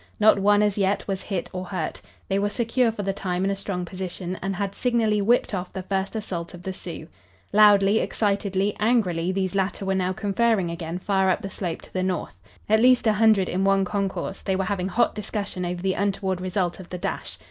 Not one, as yet, was hit or hurt. They were secure for the time in a strong position, and had signally whipped off the first assault of the Sioux. Loudly, excitedly, angrily these latter were now conferring again far up the slope to the north. At least an hundred in one concourse, they were having hot discussion over the untoward result of the dash.